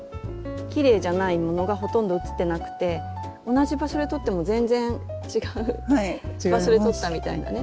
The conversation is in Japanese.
きれいじゃないものがほとんど写ってなくて同じ場所で撮っても全然違う場所で撮ったみたいなね